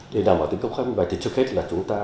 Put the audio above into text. để đảm bảo tính công khai minh bạch thì trước hết là chúng ta